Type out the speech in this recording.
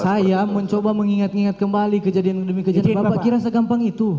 saya mencoba mengingat ingat kembali kejadian demi kejadian bapak kira segampang itu